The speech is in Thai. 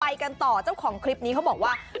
กันต่อเจ้าของคลิปนี้เขาบอกว่า